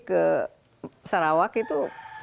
ke sarawak itu